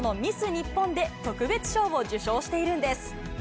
日本で特別賞を受賞しているんです。